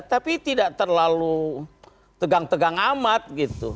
tapi tidak terlalu tegang tegang amat gitu